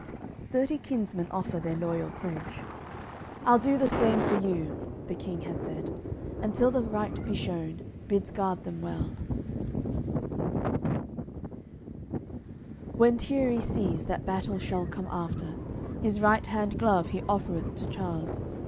Thirty kinsmen offer their loyal pledge. "I'll do the same for you," the King has said; Until the right be shewn, bids guard them well. AOI. CCLXXIX When Tierri sees that battle shall come after, His right hand glove he offereth to Chares.